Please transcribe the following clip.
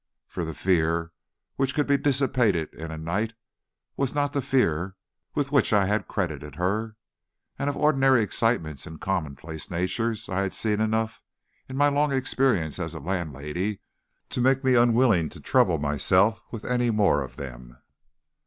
For the fear which could be dissipated in a night was not the fear with which I had credited her; and of ordinary excitements and commonplace natures I had seen enough in my long experience as landlady to make me unwilling to trouble myself with any more of them.